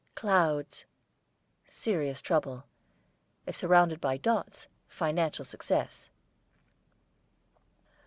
CLOUDS, serious trouble; if surrounded by dots, financial success.